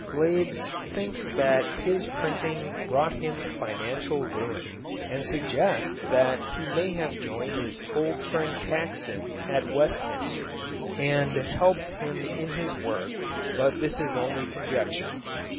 Blades thinks that his printing brought him financial ruin, and suggests that he may have joined his old friend Caxton at Westminster, and helped him in his work, but this is only conjecture.